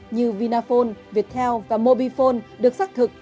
như vinaphone viettel và mobifone được xác thực